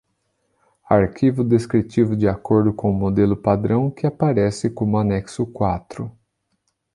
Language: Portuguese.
Arquivo descritivo, de acordo com o modelo padrão que aparece como anexo quatro.